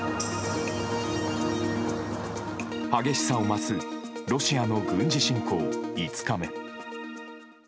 激しさを増すロシアの軍事侵攻５日目。